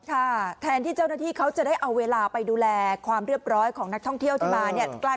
แทนที่เจ้าหน้าที่เขาจะได้เอาเวลาไปดูแลความเรียบร้อยของนักท่องเที่ยวที่มาเนี่ย